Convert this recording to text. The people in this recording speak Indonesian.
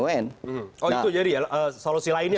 oh itu jadi ya solusi lainnya